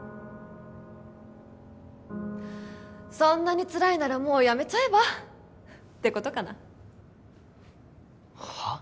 そんなにつらいならもうやめちゃえば？ってことかなはあ？